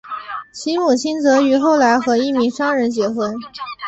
其母亲则于后来和一名商人结婚。